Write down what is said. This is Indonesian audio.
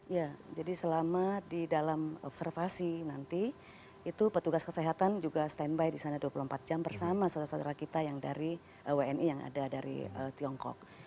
ya jadi selama di dalam observasi nanti itu petugas kesehatan juga standby di sana dua puluh empat jam bersama saudara saudara kita yang dari wni yang ada dari tiongkok